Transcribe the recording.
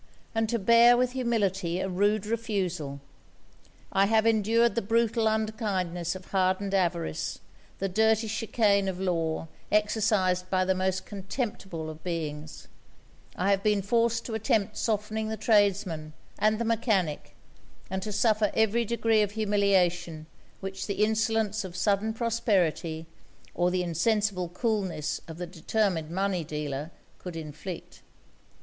and to bear with humility a rude refusal. I have endured the brutal unkindness of hardened avarice, the dirty chicane of law, exercised by the most contemptible of beings; I have been forced to attempt softening the tradesman and the mechanic, and to suffer every degree of humiliation which the insolence of sudden prosperity or the insensible coolness of the determined money dealer, could inflict.